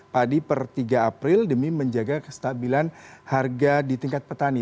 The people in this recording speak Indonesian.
padi per tiga april demi menjaga kestabilan harga di tingkat petani